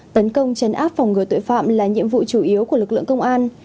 tấn công chấn áp phòng ngừa tội phạm là nhiệm vụ chủ yếu của lực lượng công an